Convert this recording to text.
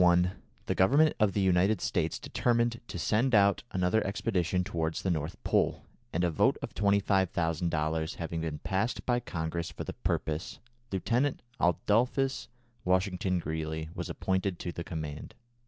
In 1881 the Government of the United States determined to send out another expedition towards the North Pole, and a vote of $25,000 having been passed by Congress for the purpose, Lieutenant Adolphus Washington Greely was appointed to the command.